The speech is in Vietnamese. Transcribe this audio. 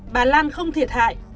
bà lan không thiệt hại